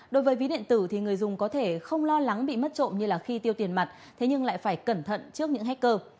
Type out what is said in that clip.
đối với ví điện tử thì người dùng có thể không lo lắng bị mất trộm như khi tiêu tiền mặt thế nhưng lại phải cẩn thận trước những hacker